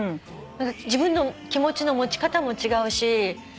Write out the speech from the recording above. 自分の気持ちの持ち方も違うし。